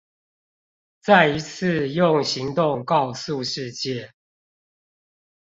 再一次用行動告訴世界